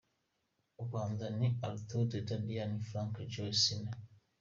Ubanza ni Arthur, Teta Diana, Frank Joe, Ciney .